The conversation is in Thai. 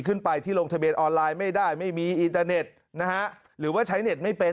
ขึ้นไปที่ลงทะเบียนออนไลน์ไม่ได้ไม่มีอินเตอร์เน็ตนะฮะหรือว่าใช้เน็ตไม่เป็น